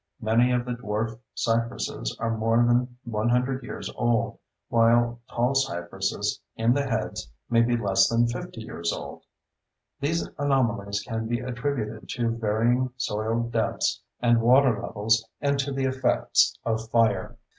Many of the dwarf cypresses are more than 100 years old, while tall cypresses in the heads may be less than 50 years old. These anomalies can be attributed to varying soil depths and water levels and to the effects of fire.